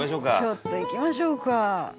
「ちょっと行きましょうか」